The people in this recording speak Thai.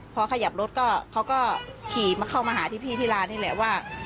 พอขยับรถก็เขาก็ขี่เข้ามาหาที่พี่ที่ร้านนี่แหละว่า